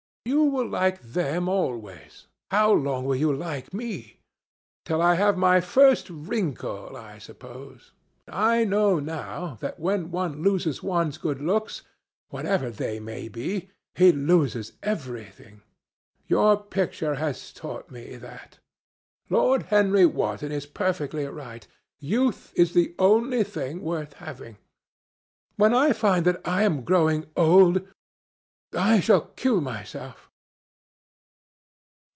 You will like them always. How long will you like me? Till I have my first wrinkle, I suppose. I know, now, that when one loses one's good looks, whatever they may be, one loses everything. Your picture has taught me that. Lord Henry Wotton is perfectly right. Youth is the only thing worth having. When I find that I am growing old, I shall kill myself."